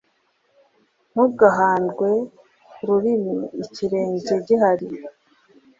Ntugahandwe ku rurimi ikirenge gihari.